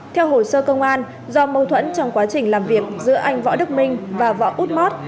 theo hồ sơ công an do mâu thuẫn trong quá trình làm việc giữa anh võ đức minh và võ út mót